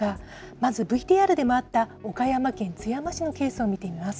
まずＶＴＲでもあった岡山県津山市のケースを見てみます。